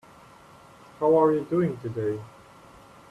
How are you doing today?